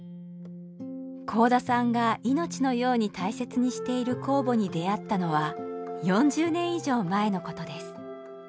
甲田さんが命のように大切にしている酵母に出会ったのは４０年以上前のことです。